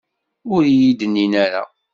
Ur iyi-d-nnin ara.